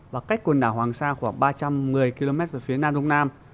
và cách quần đảo hoàng sa khoảng ba trăm một mươi km về phía nam đông nam